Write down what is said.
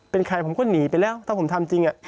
เป็นใครผมก็หนีไปแล้วถ้าผมทำจริง